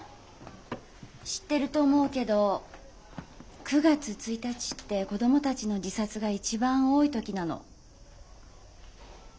知ってると思うけど９月１日って子供たちの自殺が一番多い時なの。